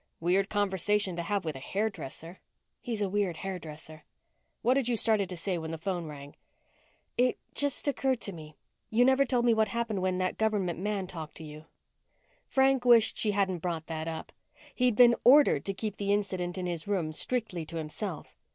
"Weird conversation to have with a hairdresser." "He's a weird hairdresser." "What had you started to say when the phone rang?" "It just occurred to me you never told me what happened when that government man talked to you." Frank wished she hadn't brought that up. He'd been ordered to keep the incident in his room strictly to himself.